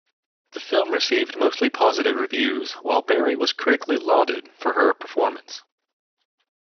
The film received mostly positive reviews while Berry was critically lauded for her performance.